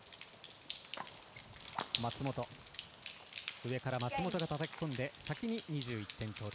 上から松本がたたき込んで先に２１点到達。